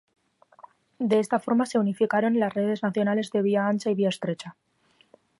De esta forma se unificaron las redes nacionales de vía ancha y vía estrecha.